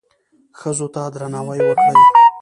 ښځو ته درناوی وکړئ